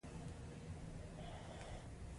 یو سل او څلور څلویښتمه پوښتنه د نورماتیف په اړه ده.